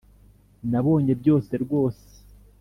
nabonye byose rwose